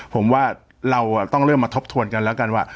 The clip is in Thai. ผมว่าเราต้องเริ่มมาทบทวนกันแล้วกันว่า